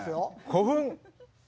古墳？